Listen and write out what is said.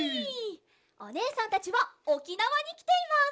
おねえさんたちはおきなわにきています。